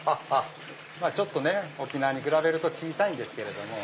ちょっとね沖縄に比べると小さいんですけれども。